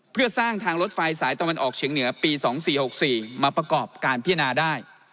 เพื่อสร้างทางรถไฟสายตะวันออกเฉียงเหนือปี๒๔๖๔มาประกอบการพิจารณาได้